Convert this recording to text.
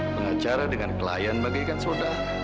pengacara dengan klien bagaikan saudara